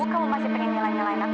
kamu masih pengen nyelain nyelain aku